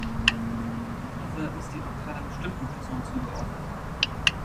Dieser ist jedoch keiner bestimmten Person zugeordnet.